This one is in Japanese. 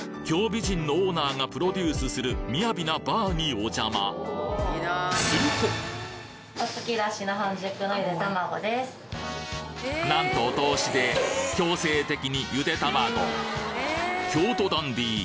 美人のオーナーがプロデュースする雅なバーにお邪魔なんとお通しで強制的にゆで卵京都ダンディ